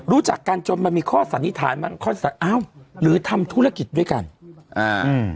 รู้จักกันจนมันมีข้อสันนิษฐานบ้างข้อสันอ้าวหรือทำธุรกิจด้วยกันอ่าอืม